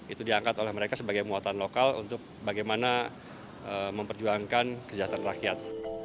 itu diangkat oleh mereka sebagai muatan lokal untuk bagaimana memperjuangkan kesejahteraan rakyat